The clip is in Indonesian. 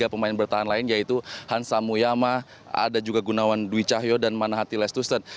pemain bertahan lain yaitu hans samuyama ada juga gunawan dwi cahyo dan manahati lestusen